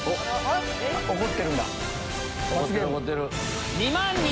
怒ってるんだ。